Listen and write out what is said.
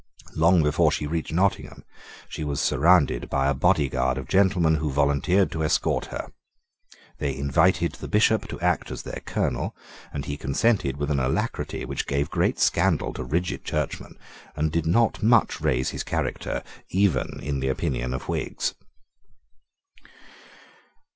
Long before she reached Nottingham, she was surrounded by a body guard of gentlemen who volunteered to escort her. They invited the Bishop to act as their colonel; and he consented with an alacrity which gave great scandal to rigid Churchmen, and did not much raise his character even in the opinion of Whigs.